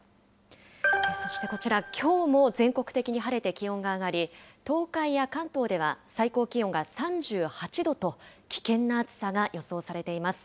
そしてこちら、きょうも全国的に晴れて気温が上がり、東海や関東では最高気温が３８度と、危険な暑さが予想されています。